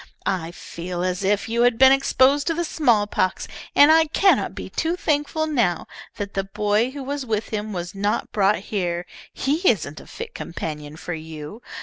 I feel as if you had been exposed to the smallpox, and I cannot be too thankful now that the boy who was with him was not brought here. He isn't a fit companion for you.